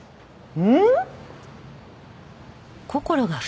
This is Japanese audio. うん。